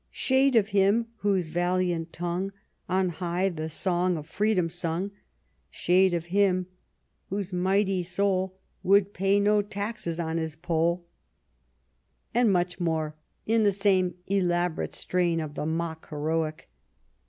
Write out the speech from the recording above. Shade of him whose valiant tongue On high the song of freedom sung ! Shade of him whose mighty soul Would pay no taxes on his poll ! ETON AND OXFORD 15 — and much more, in the same elaborate strain of the mock heroic.